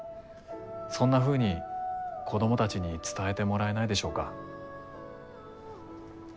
そんなふうに子供たちに伝えてもらえないでしょうか？